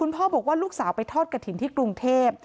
พ่อบอกว่าลูกสาวไปทอดกระถิ่นที่กรุงเทพ